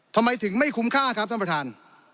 ทำไมถึงไม่คุ้มค่าครับท่านประธาน